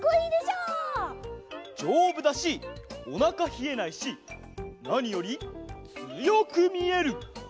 じょうぶだしおなかひえないしなによりつよくみえる！